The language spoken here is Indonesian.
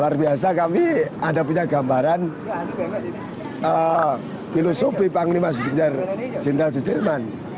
luar biasa kami ada punya gambaran filosofi panglima jenderal sudirman